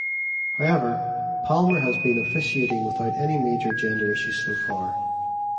However, Palmer has been officiating without any major gender issues so far.